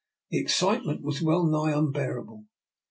The excitement was well nigh unbearable.